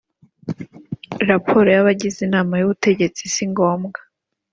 Raporo y’abagize Inama y’Ubutegetsi si ngombwa